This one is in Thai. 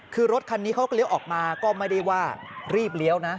คือรถคันนี้เขาก็เลี้ยวออกมาก็ไม่ได้ว่ารีบเลี้ยวนะ